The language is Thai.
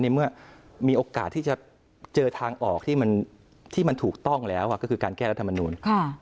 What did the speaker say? เมื่อมีโอกาสที่จะเจอทางออกที่มันถูกต้องแล้วก็คือการแก้รัฐมนูล